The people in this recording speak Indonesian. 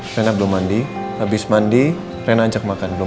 makanya mama panggil pak sanusi kesini untuk meneliti soal makam roy